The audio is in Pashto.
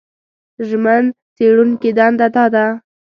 ژمن څېړونکي دنده دا ده